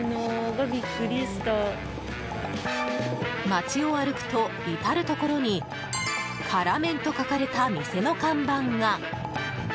街を歩くと、至るところに辛麺と書かれた店の看板が。